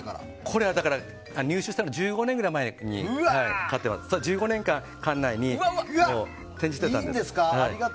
これは入手したのは１５年ぐらい前ですので１５年間館内に展示していたんです。